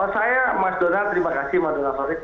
saya mas donald terima kasih mas taufik